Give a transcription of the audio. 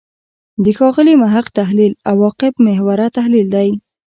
د ښاغلي محق تحلیل «عواقب محوره» تحلیل دی.